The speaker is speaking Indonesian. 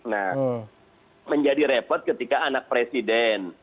nah menjadi repot ketika anak presiden